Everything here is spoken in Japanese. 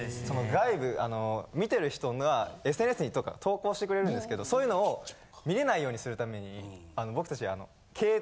外部見てる人がＳＮＳに投稿してくれるんですけどそういうのを見れないようにするために僕達。